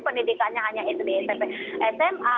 pendidikannya hanya sma